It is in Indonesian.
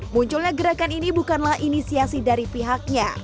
munculnya gerakan ini bukanlah inisiasi dari pihaknya